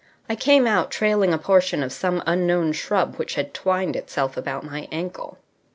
I came out, trailing a portion of some unknown shrub which had twined itself about my ankle.